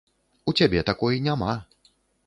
У цябе такой няма.